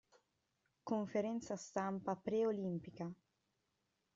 Conferenza stampa preolimpica.